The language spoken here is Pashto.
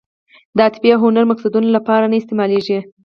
د عاطفي او هنري مقصدونو لپاره نه استعمالېږي.